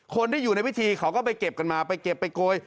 คนที่อยู่ในพิธีเขาก็ไปเก็บกันมาไปเก็บไปโกย